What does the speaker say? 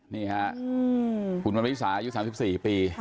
นี่ค่ะคุณวันวิสายุ๓๔ปี